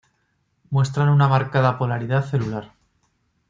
Muestran una marcada polaridad celular.